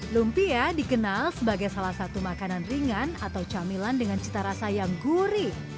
lumpia dikenal sebagai salah satu makanan ringan atau camilan dengan cita rasa yang gurih